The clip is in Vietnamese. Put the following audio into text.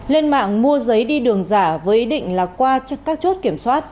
lên mạng mua giấy đi đường giả với ý định là qua các chốt kiểm soát